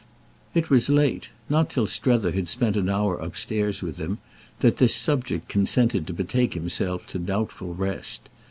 It was late—not till Strether had spent an hour upstairs with him—that this subject consented to betake himself to doubtful rest.